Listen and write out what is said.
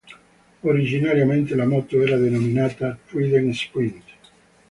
Originariamente la moto era denominata "Trident Sprint".